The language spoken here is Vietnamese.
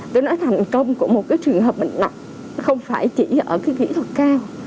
tôi nói thành công của một cái trường hợp bệnh nặng không phải chỉ ở cái kỹ thuật cao